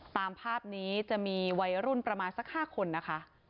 ตามภาพนี้จะมีวัยรุ่นประมาณสัก๕คนนะคะ